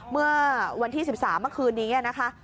เมื่อวันที่๑๓เมื่อคืนนี้นะคะ